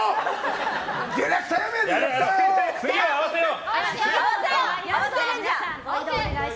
次は合わせよう！